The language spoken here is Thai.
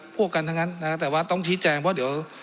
พวกกันทั้งนั้นนะฮะแต่ว่าต้องชี้แจงเพราะเดี๋ยว